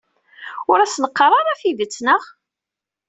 Ur asen-qqar ara tidet, naɣ?